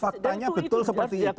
faktanya betul seperti itu